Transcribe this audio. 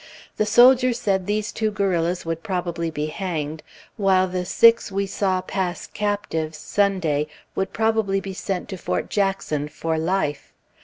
The soldier said these two guerrillas would probably be hanged, while the six we saw pass captives, Sunday, would probably be sent to Fort Jackson for life.